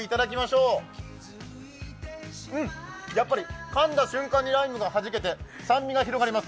うん、やっぱりかんだ瞬間にライムがはじけて酸味が広がります。